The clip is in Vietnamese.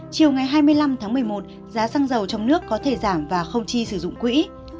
chiều ngày hai mươi năm tháng một mươi một giá xăng dầu trong nước có thể giảm và không chi sử dụng quỹ